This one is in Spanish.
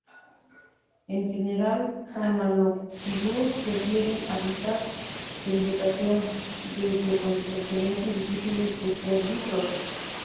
En general Thamnophilus prefieren hábitats de vegetación densa donde permanecen difíciles de ser vistos.